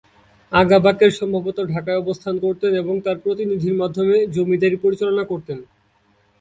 আগা বাকের সম্ভবত ঢাকায় অবস্থান করতেন এবং তার প্রতিনিধির মাধ্যমে জমিদারি পরিচালনা করতেন।